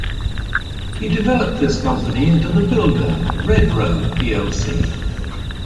He developed this company into the builder Redrow plc.